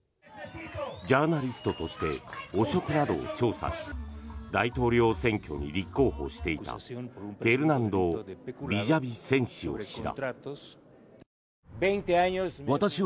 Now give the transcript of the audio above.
ジャーナリストとして汚職などを調査し大統領選挙に立候補していたフェルナンド・ビジャビセンシオ氏だ。